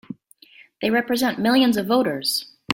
They represent millions of voters!